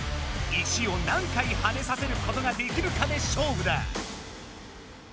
石を何回はねさせることができるかで勝負だ！